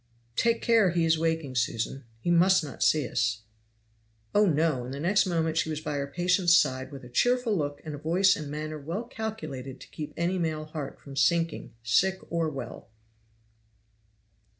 "Take care, he is waking, Susan. He must not see us." "Oh, no!" and the next moment she was by her patient's side with a cheerful look and voice and manner well calculated to keep any male heart from sinking, sick or well.